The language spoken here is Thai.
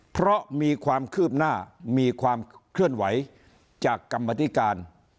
เพราะมีความคืบหน้ามีความเคลื่อนไหวจากกรรมธิการ